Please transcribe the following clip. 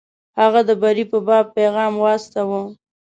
هغه د بري په باب پیغام واستاوه.